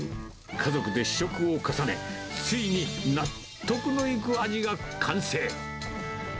家族で試食を重ね、ついに納得のいく味が完成。